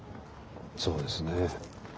そうですね。